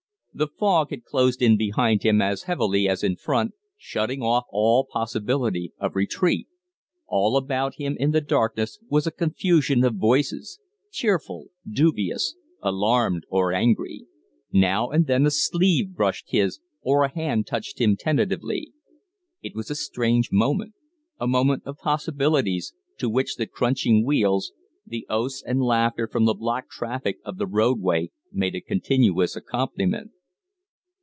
The fog had closed in behind him as heavily as in front, shutting off all possibility of retreat; all about him in the darkness was a confusion of voices cheerful, dubious, alarmed, or angry; now and then a sleeve brushed his or a hand touched him tentatively. It was a strange moment, a moment of possibilities, to which the crunching wheels, the oaths and laughter from the blocked traffic of the road way, made a continuous accompaniment.